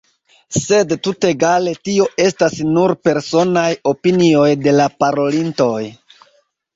Sed tutegale tio estas nur personaj opinioj de la parolintoj.